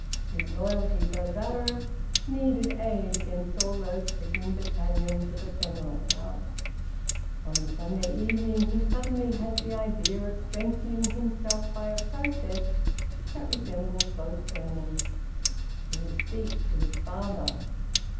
His loyalty, though valorous, needed aid against all those pricking battalions of ephemeral doubts. On the Sunday evening he suddenly had the idea of strengthening himself by a process that resembled boat burning. He would speak to his father.